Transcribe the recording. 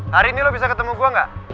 hari ini lo bisa ketemu gue gak